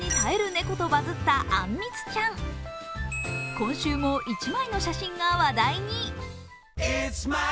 今週も１枚の写真が話題に。